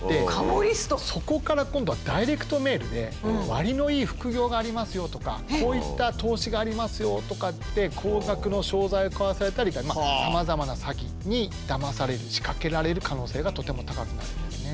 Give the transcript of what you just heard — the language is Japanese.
そこから今度はダイレクトメールで「割のいい副業がありますよ」とか「こういった投資がありますよ」とかって高額の商材を買わされたりさまざまな詐欺にダマされる仕掛けられる可能性がとても高くなるんですね。